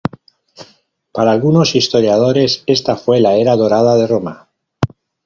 Para algunos historiadores esta fue la era dorada de Roma.